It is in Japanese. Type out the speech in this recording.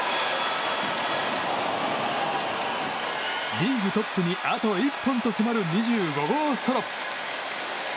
リーグトップにあと１本と迫る２５号ソロ。